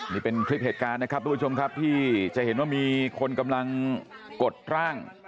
นี่เป็นคลิปเหตุการณ์นะครับทุกผู้ชมครับที่จะเห็นว่ามีคนกำลังกดร่าง